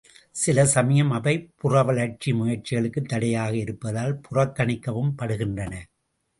சில சமயம் அவை புறவளர்ச்சி முயற்சிகளுக்குத் தடையாக இருப்பதால் புறக்கணிக்கவும் படுகின்றன.